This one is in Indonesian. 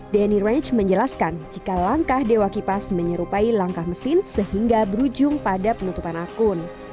denny rich menjelaskan jika langkah dewa kipas menyerupai langkah mesin sehingga berujung pada penutupan akun